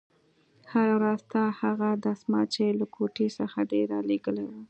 هره ورځ ستا هغه دسمال چې له کوټې څخه دې رالېږلى و.